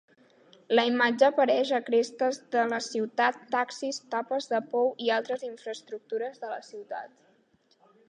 La imatge apareix a crestes de la ciutat, taxis, tapes de pous i altres infraestructures de la ciutat.